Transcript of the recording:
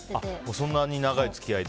そんなに長い付き合いで。